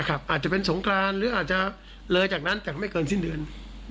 อาจจะเป็นสงกรานหรืออาจจะเลยจากนั้นจากไม่เกินสิ้นเดือน